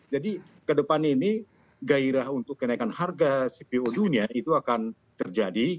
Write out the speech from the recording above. jadi ke depan ini gairah untuk kenaikan harga cpo dunia itu akan terjadi